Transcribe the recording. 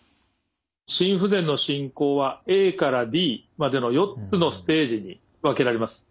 心不全の進行はＡからＤまでの４つのステージに分けられます。